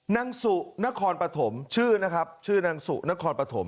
นางสุนครปฐมชื่อนะครับชื่อนางสุนครปฐม